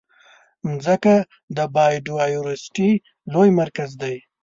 مځکه د بایوډایورسټي لوی مرکز دی.